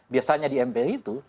biasanya di mpr itu